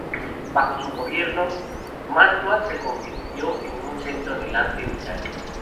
Bajo su gobierno, Mantua se convirtió en un centro del arte en Italia.